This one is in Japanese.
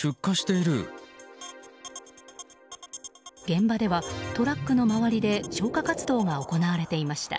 現場ではトラックの周りで消火活動が行われていました。